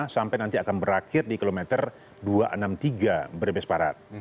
sampai nanti akan berakhir di kilometer dua ratus enam puluh tiga brebes barat